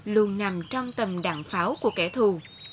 luôn nằm trong tầm đảng pháo của kẻ thù